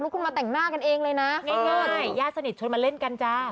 คุณมาแต่งหน้ากันเองเลยนะง่ายญาติสนิทชวนมาเล่นกันจ้า